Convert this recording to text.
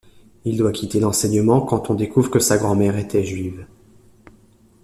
Il doit quitter l'enseignement quand on découvre que sa grand-mère était juive.